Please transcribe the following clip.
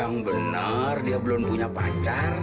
yang benar dia belum punya pacar